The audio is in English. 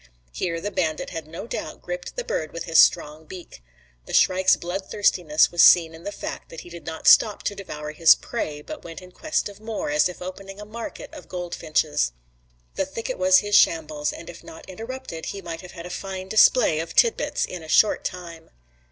Here the bandit had no doubt gripped the bird with his strong beak. The shrike's bloodthirstiness was seen in the fact that he did not stop to devour his prey, but went in quest of more, as if opening a market of goldfinches. The thicket was his shambles, and if not interrupted, he might have had a fine display of titbits in a short time.